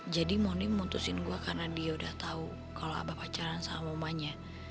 jadi moni memutuskan gue karena dia udah tau kalau abah pacaran sama omanya